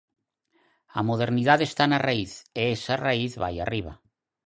A modernidade está na raíz, e esa raíz vai arriba.